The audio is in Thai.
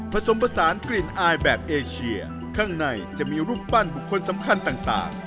ผสมผสานกลิ่นอายแบบเอเชียข้างในจะมีรูปปั้นบุคคลสำคัญต่าง